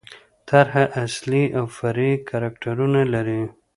طرحه اصلي او فرعي کرکټرونه لري.